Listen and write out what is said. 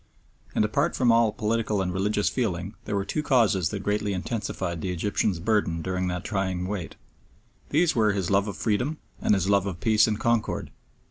And apart from all political and religious feeling there were two causes that greatly intensified the Egyptian's burthen during that trying wait. These were his love of freedom and his love of peace and concord.